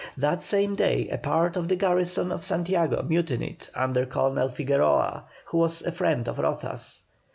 That same day a part of the garrison of Santiago mutinied under Colonel Figueroa, who was a friend of Rozas.